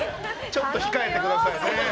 ちょっと控えてくださいね。